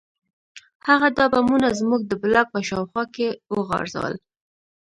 هغه دا بمونه زموږ د بلاک په شاوخوا کې وغورځول